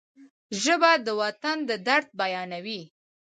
ژبه د وطن د درد بیانوي